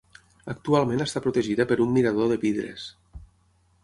Actualment està protegida per un mirador de vidres.